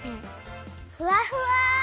ふわふわ！